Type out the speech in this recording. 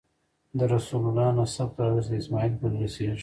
د رسول الله نسب تر حضرت اسماعیل پورې رسېږي.